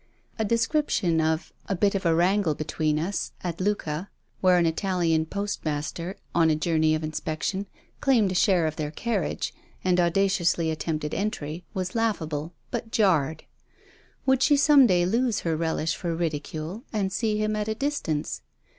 A description of 'a bit of a wrangle between us' at Lucca, where an Italian post master on a journey of inspection, claimed a share of their carriage and audaciously attempted entry, was laughable, but jarred. Would she some day lose her relish for ridicule, and see him at a distance?